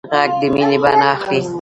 غږ د مینې بڼه اخلي